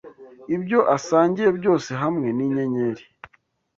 Ibyo asangiye byose hamwe ninyenyeri,